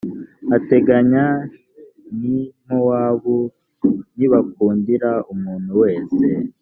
hateganye n i mowabu ntibakundira umuntu wese